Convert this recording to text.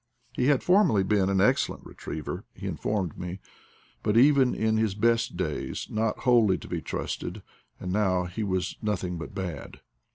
He had formerly been an excellent retriever, he informed me, but even in his best days not wholly to be trusted, and now he was nothing but bad.